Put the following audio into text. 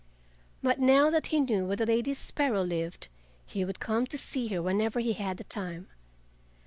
But now that he knew where the Lady Sparrow lived he would come to see her whenever he had the time.